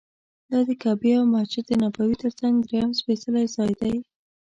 دا د کعبې او مسجد نبوي تر څنګ درېیم سپېڅلی ځای دی.